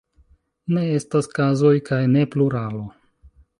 Ne estas kazoj kaj ne pluralo.